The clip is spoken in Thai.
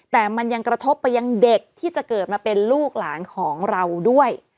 แต่มันยังกระทบไปยังเด็กที่จะเกิดมาเป็นลูกหลานของเราด้วย